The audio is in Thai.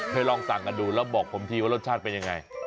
ลองสั่งกันดูแล้วบอกผมทีว่ารสชาติเป็นยังไง